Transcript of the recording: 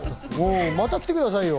また来てくださいよ。